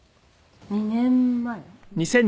「２年前？」